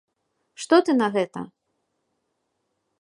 Што ты на гэта?